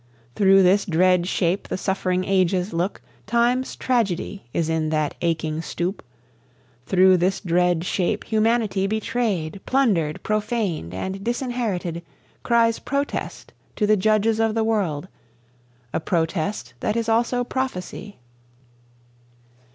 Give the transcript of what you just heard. Through this dread shape the suffering ages look; Time's tragedy is in that aching stoop; Through this dread shape humanity betrayed, Plundered, profaned, and disinherited, Cries protest to the Judges of the World, A protest that is also prophecy.